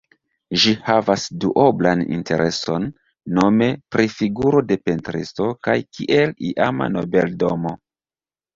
Ĝi havas duoblan intereson, nome pri figuro de pentristo kaj kiel iama nobeldomo.